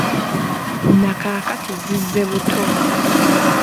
Na kaakati zizze buto.